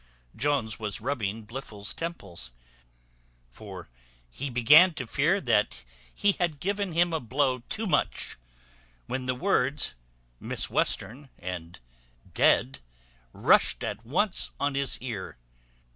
Jones was rubbing Blifil's temples, for he began to fear he had given him a blow too much, when the words, Miss Western and Dead, rushed at once on his ear.